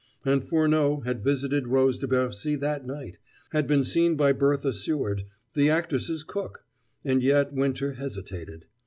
And Furneaux had visited Rose de Bercy that night had been seen by Bertha Seward, the actress's cook! And yet Winter hesitated....